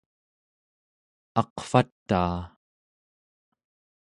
aqvataa